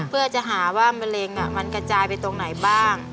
เพื่อจะหาว่ามะเร็งมันกระจายไปตรงไหนบ้าง